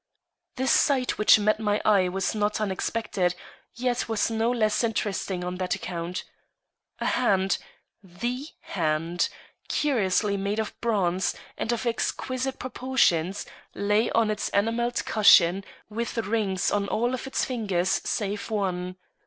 The sight which met my eye was not unexpected, yet was no less interesting on that account. A hand the hand curiously made of bronze, and of exquisite proportions, lay on its enamelled cushion, with rings on all of its fingers save one.